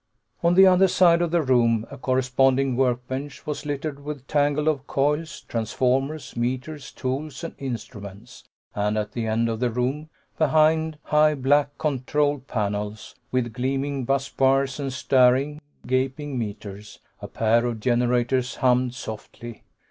On the other side of the room a corresponding workbench was littered with a tangle of coils, transformers, meters, tools and instruments, and at the end of the room, behind high black control panels, with gleaming bus bars and staring, gaping meters, a pair of generators hummed softly.